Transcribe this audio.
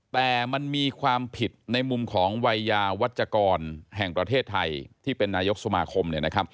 แต่มันมีความผิดในมุมของวัยยาวัชกรแห่งประเทศไทยที่เป็นนายกสมาคม